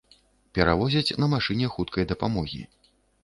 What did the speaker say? Перавозяць на машыне хуткай дапамогі.